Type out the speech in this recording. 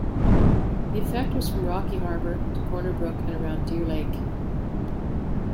The effect was from Rocky Harbour to Corner Brook and around Deer Lake.